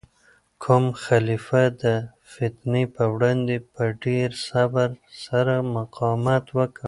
کوم خلیفه د فتنې په وړاندې په ډیر صبر سره مقاومت وکړ؟